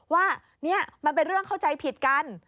ว่านี่มันเป็นเรื่องเข้าใจผิดกัน